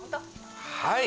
はい！